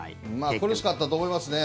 苦しかったと思いますね。